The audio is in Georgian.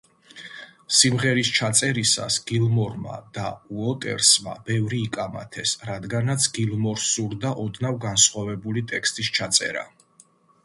სიმღერის ჩაწერისას გილმორმა და უოტერსმა ბევრი იკამათეს, რადგანაც გილმორს სურდა ოდნავ განსხვავებული ტექსტის ჩაწერა.